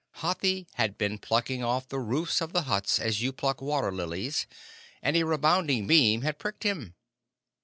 Hathi had been plucking off the roofs of the huts as you pluck water lilies, and a rebounding beam had pricked him.